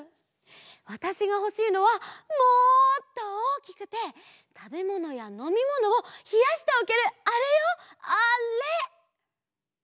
わたしがほしいのはもっとおおきくてたべものやのみものをひやしておけるあれよあれ！